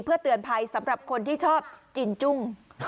เพื่อเตือนภัยสำหรับคนที่ชอบกินจุ้ง